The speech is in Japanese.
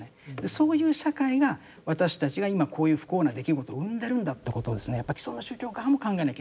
そういう社会が私たちが今こういう不幸な出来事を生んでるんだってことをやっぱ既存の宗教側も考えなきゃいけない。